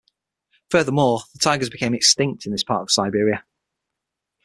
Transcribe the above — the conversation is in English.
Furthermore, the tigers became extinct in this part of Siberia.